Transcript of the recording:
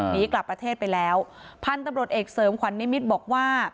หนีกลับประเทศไปแล้วพันธุ์ตำรวจเอกเสริมขวัญนิมิตรบอกว่า